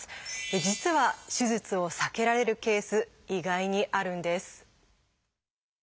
実は手術を避けられるケース意外にあるんです。